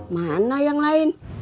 mana yang lain